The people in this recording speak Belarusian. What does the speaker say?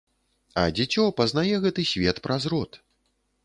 А дзіцё пазнае гэты свет праз рот.